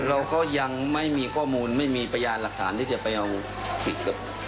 เราก็ยังไม่มีข้อมูลไม่มีพยานหลักฐานที่จะไปเอาผิดกับ